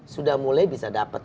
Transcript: sudah mulai bisa dapat